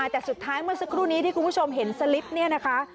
แต่สุดท้ายเมื่อสักครู่นี้ที่คุณผู้ชมเห็นสลิปเนี่ยนะคะ